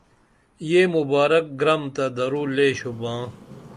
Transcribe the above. یہ مبارک گرم تہ درو لے شُباں